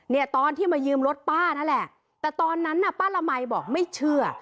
เนี่ยตอนที่มายืมรถป้านั่นแหละแต่ตอนนั้นน่ะป้าละมัยบอกไม่เชื่อ